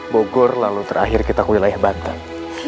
bogor lalu terakhir kita ke wilayah banten